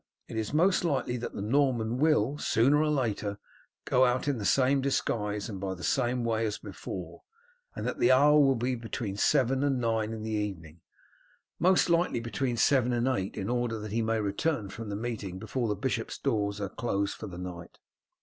It is most likely that the Norman will, sooner or later, go out in the same disguise and by the same way as before, and that the hour will be between seven and nine in the evening most likely between seven and eight, in order that he may return from the meeting before the bishop's doors are closed for the night."